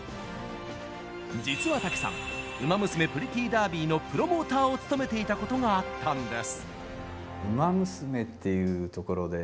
実は武さん「ウマ娘プリティーダービー」のプロモーターを務めていたことがあったんです。